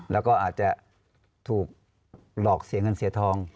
แล้วก็อาจจะถูกหลอกเสียเงินเสียทอง